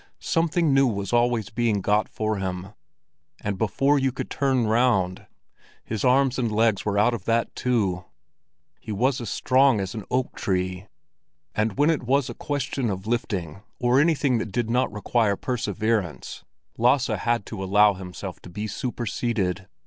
Something new was always being got for him, and before you could turn round, his arms and legs were out of that too. He was as strong as an oak tree; and when it was a question of lifting or anything that did not require perseverence, Lasse had to allow himself to be superseded.